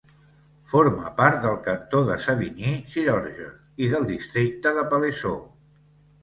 Forma part del cantó de Savigny-sur-Orge i del districte de Palaiseau.